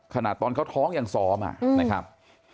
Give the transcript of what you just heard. ขนาดตอนเขาท้องยังซ้อมนะครับ